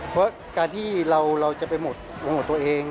เพราะการที่เราจะไปหมดวงของตัวเอง